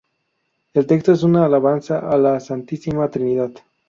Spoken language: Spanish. El texto es una alabanza a la Santísima Trinidad.